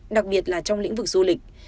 đặc biệt là trong lĩnh vực du lịch